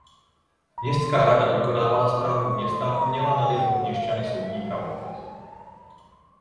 Městská rada vykonávala správu města a měla nad jeho měšťany soudní pravomoc.